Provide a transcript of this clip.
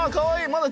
まだ。